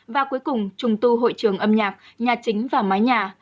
và cuối cùng trùng tu hội trường âm nhạc nhà chính và mái nhà